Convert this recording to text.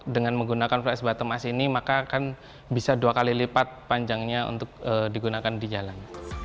dengan menggunakan flash bottom us ini maka akan bisa dua kali lipat panjangnya untuk digunakan di jalan